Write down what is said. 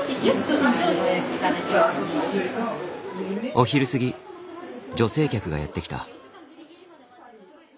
お昼過ぎ女性客がやって来た。